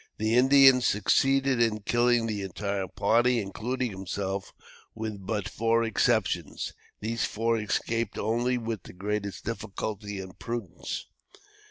The Indians succeeded in killing the entire party, including himself, with but four exceptions. These four escaped only with the greatest difficulty and prudence.